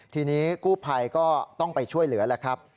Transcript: ทีนี้กู้ภัยก็ต้องไปช่วยเหลือแล้วครับ